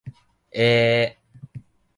えー